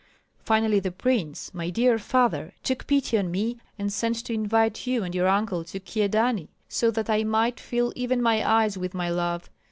Finally the prince, my dear father, took pity on me, and sent to invite you and your uncle to Kyedani, so that I might fill even my eyes with my love.